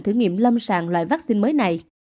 thử nghiệm lâm sàng loại vaccine mới này